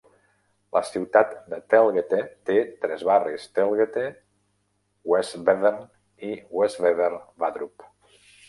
La ciutat de Telgte té tres barris: Telgte, Westbevern i Westbevern Vadrup.